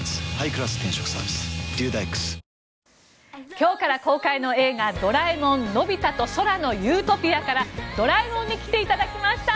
今日から公開の「映画ドラえもんのび太と空の理想郷」からドラえもんに来ていただきました！